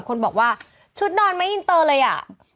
คนบอกว่าชุดนอนไม่อินเตอร์เลยอ่ะ